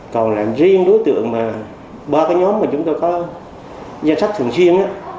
còn riêng đối tượng ba cái nhóm mà chúng tôi có danh sách thường xuyên